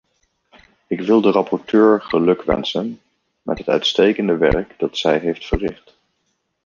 Ik wil de rapporteur gelukwensen met het uitstekende werk dat zij heeft verricht.